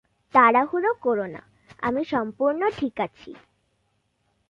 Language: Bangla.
তাড়াহুড়ো করোনা, আমি সম্পূর্ণ ঠিক আছি।